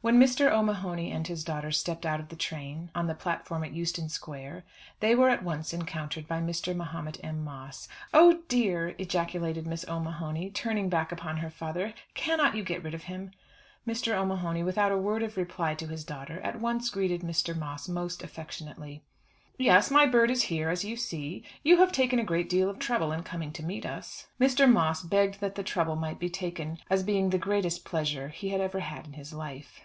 When Mr. O'Mahony and his daughter stepped out of the train on the platform at Euston Square, they were at once encountered by Mr. Mahomet M. Moss. "Oh, dear!" ejaculated Miss O'Mahony, turning back upon her father. "Cannot you get rid of him?" Mr. O'Mahony, without a word of reply to his daughter, at once greeted Mr. Moss most affectionately. "Yes, my bird is here as you see. You have taken a great deal of trouble in coming to meet us." Mr. Moss begged that the trouble might be taken as being the greatest pleasure he had ever had in his life.